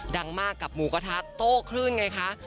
ดังมากกับหมูกระทะโต้คลื่นไงคะ